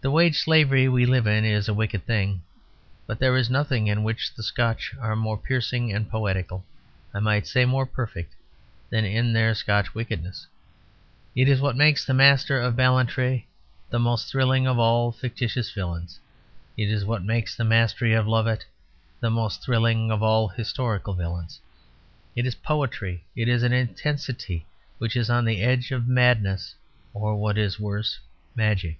The wageslavery we live in is a wicked thing. But there is nothing in which the Scotch are more piercing and poetical, I might say more perfect, than in their Scotch wickedness. It is what makes the Master of Ballantrae the most thrilling of all fictitious villains. It is what makes the Master of Lovat the most thrilling of all historical villains. It is poetry. It is an intensity which is on the edge of madness or (what is worse) magic.